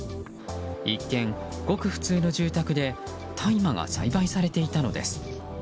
一見、ごく普通の住宅で大麻が栽培されていたのです。